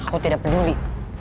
aku tidak peduli